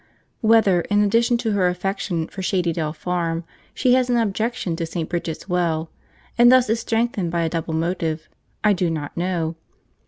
Whether, in addition to her affection for Shady Dell Farm, she has an objection to St. Bridget's Well, and thus is strengthened by a double motive, I do not know.